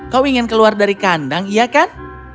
kau ingin keluar dari kandang iya kan